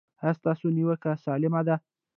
ایا ستاسو نیوکه سالمه ده؟